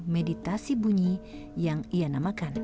meditasi bunyi yang ia namakan